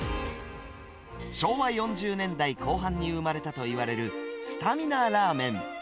昭和４０年代後半に生まれたといわれるスタミナラーメン。